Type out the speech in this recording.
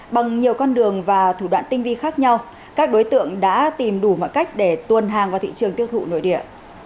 bằng nhiều con đường và thủ đoạn tinh vi khác nhau các đối tượng đã tìm đủ mọi cách để tuôn hàng vào thị trường tiêu thụ nội địa